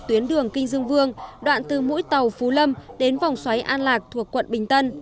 tuyến đường kinh dương vương đoạn từ mũi tàu phú lâm đến vòng xoáy an lạc thuộc quận bình tân